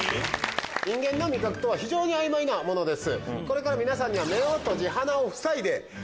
人間の味覚とは非常にあいまいなものです。